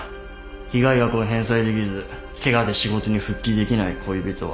被害額を返済できずケガで仕事に復帰できない恋人は自殺した。